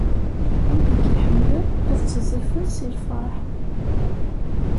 Wid i k-iḥemmlen, ad ttiẓẓifen si lferḥ.